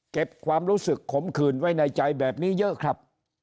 ความรู้สึกขมขืนไว้ในใจแบบนี้เยอะครับ